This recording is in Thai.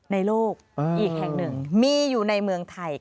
ในโลกอีกแห่งหนึ่งมีอยู่ในเมืองไทย